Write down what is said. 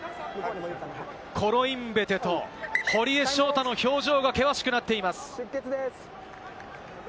コロインベテと堀江翔太の表情が険しくなっています。